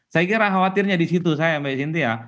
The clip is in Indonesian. saya kira khawatirnya di situ saya mbak sintia